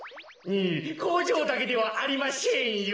こうじょうだけではありまシェンよ。